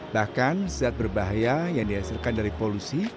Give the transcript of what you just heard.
bahkan zat berbahaya yang dihasilkan dari polusi